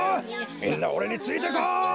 みんなおれについてこい！